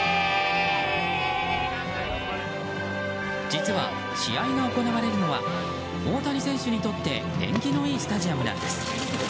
実は試合が行われるのは大谷選手にとって縁起のいいスタジアムなんです。